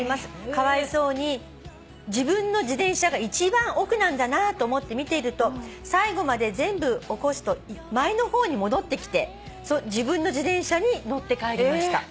かわいそうに自分の自転車が一番奥なんだなと思って見ていると最後まで全部起こすと前の方に戻ってきて自分の自転車に乗って帰りました」